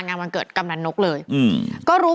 แฮปปี้เบิร์สเจทู